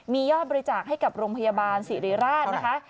มียอดบริจาคให้กับโรงพยาบาลศิริราชนะคะ